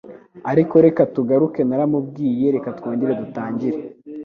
Ariko reka tugaruke naramubwiye reka twongere dutangire